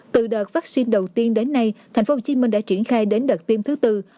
từ đợt vaccine đầu tiên đến nay thành phố hồ chí minh đã triển khai đến đợt tiêm thứ tư